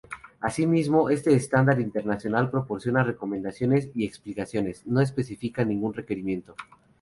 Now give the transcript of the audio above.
Asimismo, este Estándar Internacional proporciona recomendaciones y explicaciones, no especifica ningún requerimiento.